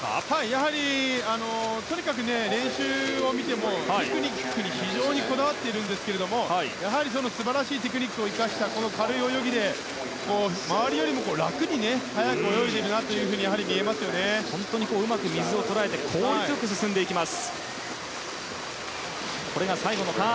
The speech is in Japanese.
やはり、とにかく練習を見てもテクニックに非常にこだわっていますがやはり、その素晴らしいテクニックを生かしたこの軽い泳ぎで、周りよりも楽に速く泳いでいるなとうまく水を捉えて効率よく進んでいきます。